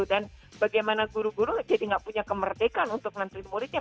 dan bagaimana guru guru jadi nggak punya kemerdekaan untuk nentuin muridnya